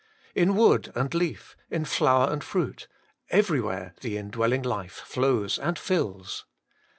in wood and leaf, in flower and fruit, everywhere the indwelling life flows and tills.